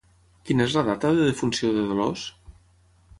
Quina és la data de defunció de Dolors?